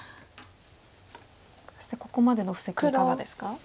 そしてここまでの布石いかがですか？